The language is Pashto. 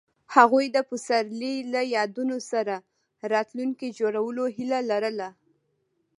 هغوی د پسرلی له یادونو سره راتلونکی جوړولو هیله لرله.